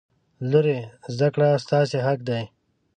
لورې! زده کړې ستاسې حق دی.